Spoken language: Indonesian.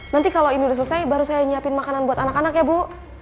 nanti kalau ini sudah selesai baru saya nyiapin makanan buat anak anak ya bu